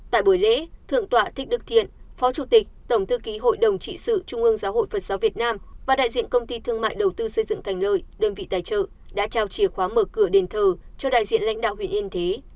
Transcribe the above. tại buổi lễ thượng tọa thích đức thiện phó chủ tịch tổng thư ký hội đồng trị sự trung ương giáo hội phật giáo việt nam và đại diện công ty thương mại đầu tư xây dựng thành lợi đơn vị tài trợ đã trao chìa khóa mở cửa đền thờ cho đại diện lãnh đạo huyện yên thế